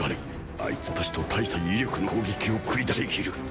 あいつは私と大差ない威力の攻撃を繰り出している